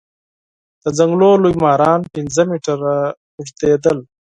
د ځنګلونو لوی ماران پنځه متره اوږديدل.